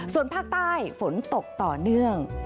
ส่วนภาคใต้ฝนตกต่อเนื่อง